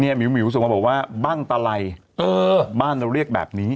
เดี๋ยวมิวส่งมาบอกบ้านตาลัยบ้านเราเรียกแบบนี้